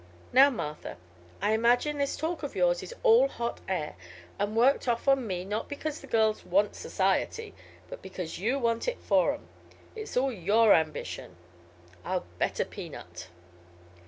Now, Martha, I imagine this talk of yours is all hot air, and worked off on me not because the girls want society, but because you want it for 'em. It's all your ambition, I'll bet a peanut."